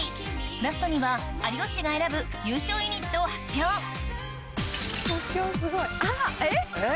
ラストには有吉が選ぶ優勝ユニットを発表即興すごいあっえっ。